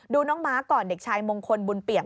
น้องม้าก่อนเด็กชายมงคลบุญเปี่ยม